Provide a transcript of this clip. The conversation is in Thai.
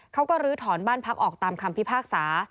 ลื้อถอนบ้านพักออกตามคำพิพากษา